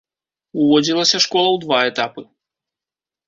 Уводзілася школа ў два этапы.